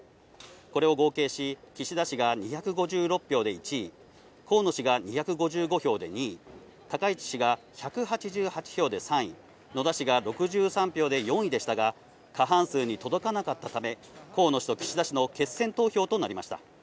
これを合計し、岸田氏が２５６票で１位、河野氏が２５５票で２位、高市氏が１８８票で３位、野田氏が６３票で４位でしたが、過半数に届かなかったため、河野氏と岸田氏の決選投票となりました。